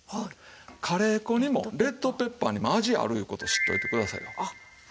カレー粉にもレッドペッパーにも味あるいう事を知っておいてくださいよ。